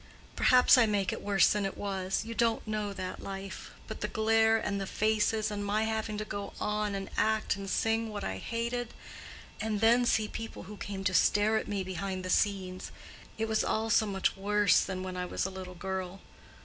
Perhaps I make it worse than it was—you don't know that life: but the glare and the faces, and my having to go on and act and sing what I hated, and then see people who came to stare at me behind the scenes—it was all so much worse than when I was a little girl.